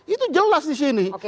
itu jelas di sini